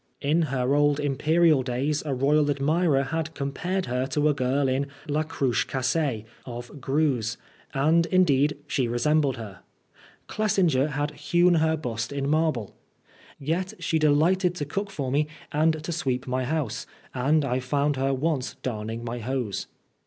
In her old imperial days a royal admirer had compared her to the girl in " La Cruche Cassee " of Greuze, and indeed she resembled her. Clesinger had hewn her bust in marble. Yet she delighted to cook for me and to sweep my house, and I found her once darning my hose.